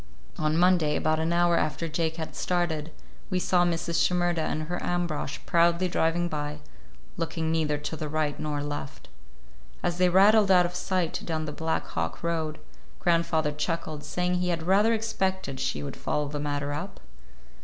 On Monday, about an hour after Jake had started, we saw Mrs. Shimerda and her Ambrosch proudly driving by, looking neither to the right nor left. As they rattled out of sight down the Black Hawk road, grandfather chuckled, saying he had rather expected she would follow the matter up.